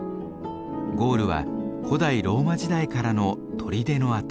ゴールは古代ローマ時代からの砦の跡。